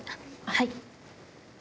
はい。